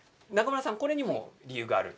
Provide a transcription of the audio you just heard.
これにも理由がある。